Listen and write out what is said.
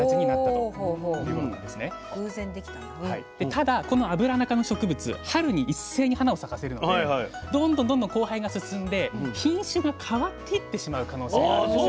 ただこのアブラナ科の植物春に一斉に花を咲かせるのでどんどんどんどん交配が進んで品種が変わっていってしまう可能性があるんですよ。